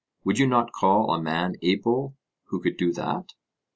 Would you not call a man able who could do that?